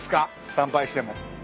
参拝しても。